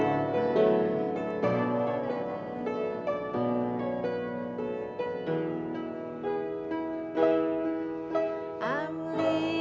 mbak desi nyanyi